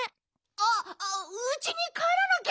あっうちにかえらなきゃ。